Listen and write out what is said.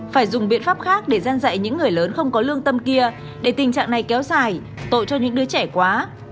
phải dùng biện pháp khác để gian dạy những người lớn không có lương tâm kia để tình trạng này kéo dài tội cho những đứa trẻ quá